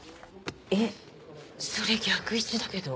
えっそれ逆位置だけど。